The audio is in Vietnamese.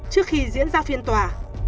trước khi diễn ra phiên tòa